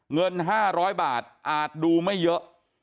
เงิน๕๐๐บาทอาจดูไม่เยอะ